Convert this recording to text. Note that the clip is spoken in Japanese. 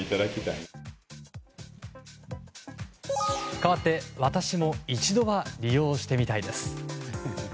かわって、私も一度は利用してみたい！です。